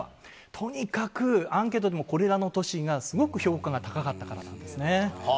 とにかくアンケートでも、これらの都市がすごく評価が高かったからなんですね。